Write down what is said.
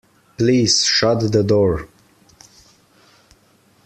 Please shut the door.